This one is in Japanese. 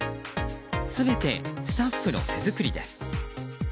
全てスタッフの手作りです。